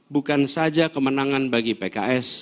bukan saja kemenangan bagi pks